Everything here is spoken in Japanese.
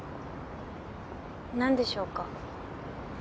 何でしょうか。